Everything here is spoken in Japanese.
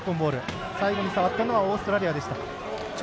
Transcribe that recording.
最後に触ったのはオーストラリア。